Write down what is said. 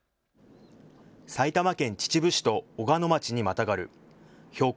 埼玉県秩父市と小鹿野町にまたがる標高